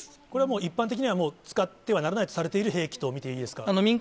これはもう一般的には、使ってはならないとされている兵器と見ていいですか。